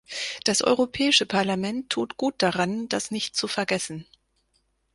Das Europäische Parlament tut gut daran, das nicht zu vergessen.